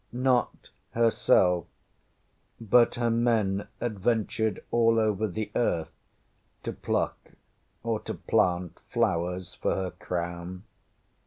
ŌĆÖ ŌĆśNot herself but her men adventured all over the earth to pluck or to plant flowers for her crown.